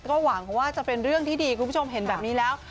ก็หวังว่าจะเป็นเรื่องที่ดีคุณผู้ชมเห็นแบบนี้แล้ว